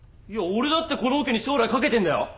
俺だってこのオケに将来かけてんだよ！？